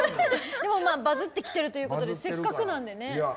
でもバズってきてるということでせっかくなんでね。